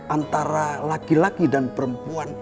antara laki laki dan perempuan